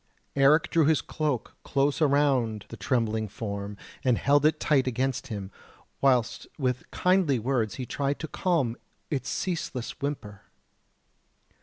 Eric drew his cloak close around the trembling form and held it tight against him, whilst with kindly words he tried to calm its ceaseless whimper.